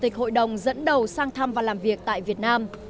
chủ tịch hội đồng dẫn đầu sang thăm và làm việc tại việt nam